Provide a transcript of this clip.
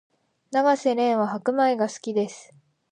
永瀬廉は白米が好きです